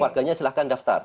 warganya silahkan daftar